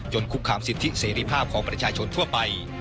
คุกคามสิทธิเสรีภาพของประชาชนทั่วไป